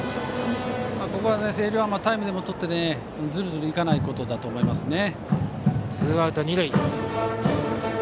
ここは星稜はタイムでもとってずるずるいかないことだと思いますね。